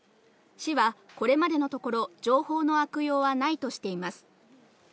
市はこれまでのところ情報の悪用はないとしています。